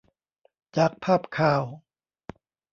จากภาพข่าว